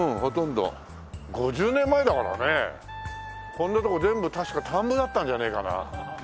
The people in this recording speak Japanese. こんなとこ全部確か田んぼだったんじゃねえかな。